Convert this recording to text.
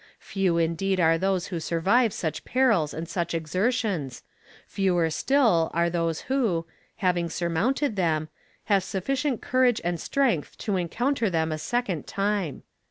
Few indeed are those who survive such perils and such exertions, fewer still are those who, having surmounted them, have sufficient courage and strength to encounter them a second time."